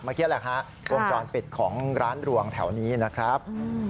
นี่แหละครับโกงจรเป็ดของร้านดรวงแถวนี้นะครับ